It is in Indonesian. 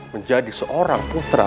menjadi seorang putra